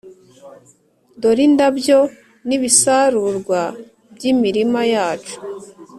dore indabyo nibisarurwa byimirima yacu!